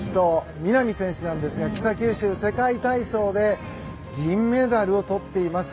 南選手なんですが北九州世界体操で銀メダルをとっています。